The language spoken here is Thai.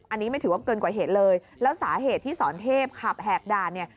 อันนี้ไม่ถือว่าเกินกว่าเหตุเลยแล้วสาเหตุที่สอนเทพขับแหกด่านเนี่ย